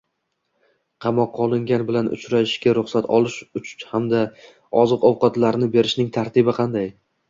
Qamoqqa olingan bilan uchrashishga ruxsat olish hamda oziq-ovqatlarni berishning tartibi qanday?